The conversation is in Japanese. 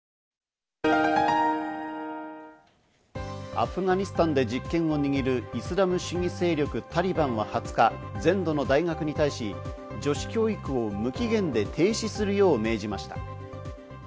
アフガニスタンで実権を握るイスラム主義勢力・タリバンは２０日、全土の大学に対し、女子教育を無期限で停止するよう命じました。